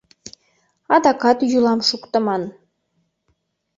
Адакат йӱлам шуктыман.